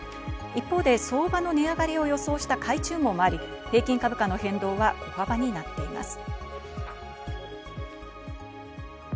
一方で相場の値上がりを予想した買い注文もあり、平均株価の変動は小幅になっています。